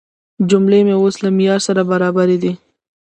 جملې مې اوس له معیار سره برابرې دي.